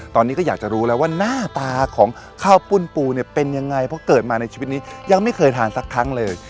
ตอนนี้ก็อยากจะรู้แล้วว่าหน้าตาของข้าวปุ้นปูเนี่ยเป็นยังไงเพราะเกิดมาในชีวิตนี้ยังไม่เคยทานสักครั้งเลย